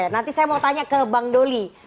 nanti saya mau tanya ke bang doli